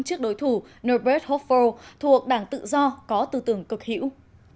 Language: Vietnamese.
trước đối thủ norbert hofer thuộc đảng tự do có tư tưởng cực hữu